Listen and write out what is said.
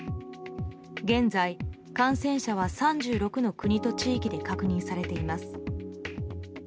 現在、感染者は３６の国と地域で確認されています。